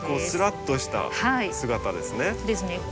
スラッとした姿ですね。